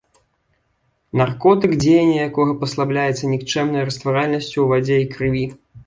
Наркотык, дзеянне якога паслабляецца нікчэмнай растваральнасцю ў вадзе і крыві.